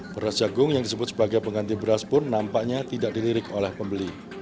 beras jagung yang disebut sebagai pengganti beras pun nampaknya tidak dilirik oleh pembeli